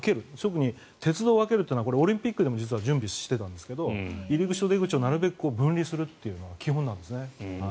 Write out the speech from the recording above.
特に鉄道を分けるというのは実はオリンピックでも準備していたんですけど入り口と出口をなるべく分離するというのは基本なんですね。